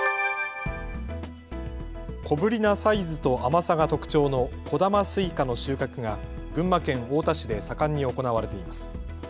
小ぶりなサイズと甘さが特徴の小玉すいかの収穫が群馬県太田市で盛んに行われています。